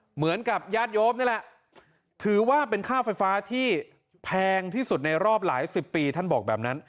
เหมือนกับญาติโยมนี่แหละถือว่าเป็นค่าไฟฟ้าที่แพงที่สุดในรอบหลายสิบปีท่านบอกแบบนั้น